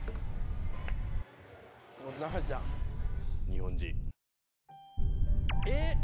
日本人。え！？